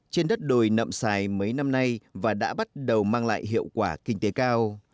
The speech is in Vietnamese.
trên đất đồi nậm xài mấy năm nay và đã bắt đầu mang lại hiệu quả kinh tế cao